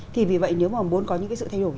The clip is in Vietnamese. thì vì vậy nếu mà muốn có những cái sự thay đổi